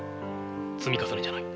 積み重ねじゃない。